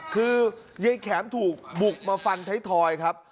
คือยายแข็มถูกบุกมาฟันไทยทอยครับ